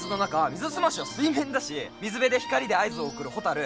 ミズスマシは水面だし水辺で光で合図を送るホタル